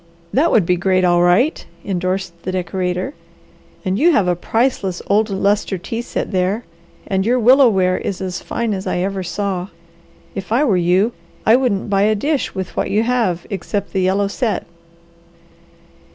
"That would be great, all right!" endorsed the decorator. "And you have got a priceless old lustre tea set there, and your willow ware is as fine as I ever saw. If I were you, I wouldn't buy a dish with what you have, except the yellow set."